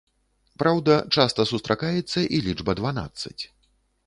Праўда, часта сустракаецца і лічба дванаццаць.